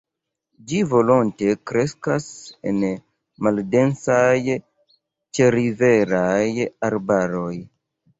Ĝi volonte kreskas en maldensaj ĉeriveraj arbaroj.